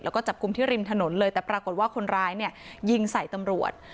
แล้วก็จับกลุ่มที่ริมถนนเลยแต่ปรากฏว่าคนร้ายเนี่ยยิงใส่ตำรวจ